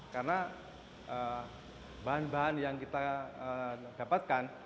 karena bahan bahan yang kita dapatkan